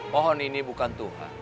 pohon ini bukan tuhan